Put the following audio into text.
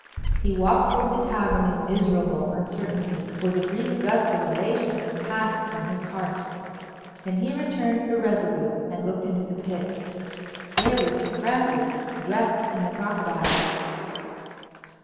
He walked towards the tavern in miserable uncertainty, for the brief gust of elation had passed from his heart. Then he returned irresolute, and looked into the pit. There was Sir Francis, dressed in the crocodile.